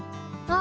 あ